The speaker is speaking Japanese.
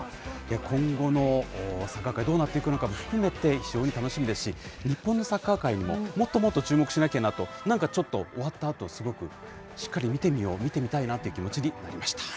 今後のサッカー界、どうなっていくのかも含めて、非常に楽しみですし、日本のサッカー界にも、もっともっと注目しなきゃなと、なんかちょっと、終わったあと、すごくしっかり見てみよう、見てみたいなという気持ちになりました。